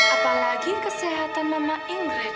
apalagi kesehatan mama ingrid